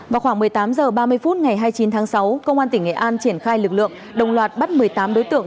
vào khoảng một mươi tám h ba mươi phút ngày hai mươi chín tháng sáu công an tỉnh nghệ an triển khai lực lượng đồng loạt bắt một mươi tám đối tượng